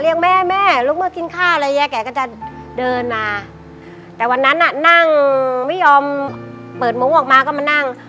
เรียกแม่แม่ลุกมากินข้าวอะไรอย่างเงี้แกก็จะเดินมาแต่วันนั้นอ่ะนั่งไม่ยอมเปิดมุ้งออกมาก็มานั่ง